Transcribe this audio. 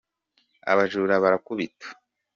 abajura barabakubita